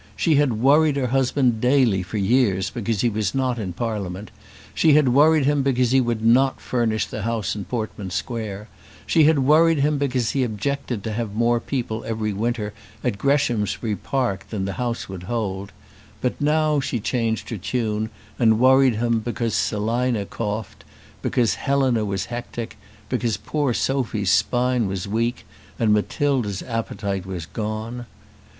She had worried her husband daily for years because he was not in Parliament, she had worried him because he would not furnish the house in Portman Square, she had worried him because he objected to have more people every winter at Greshamsbury Park than the house would hold; but now she changed her tune and worried him because Selina coughed, because Helena was hectic, because poor Sophy's spine was weak, and Matilda's appetite was gone.